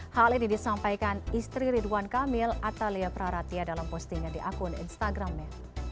hal ini disampaikan istri ridwan kamil atalia praratia dalam postingnya di akun instagramnya